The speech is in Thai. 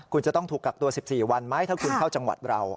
คุณจะต้องถูกกักตัว๑๔วันไหมถ้าคุณเข้าจังหวัดเรา